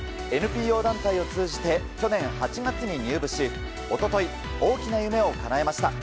ＮＰＯ団体を通じて去年８月に入部し一昨日、大きな夢をかなえました。